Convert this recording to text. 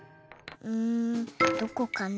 うんどこかな。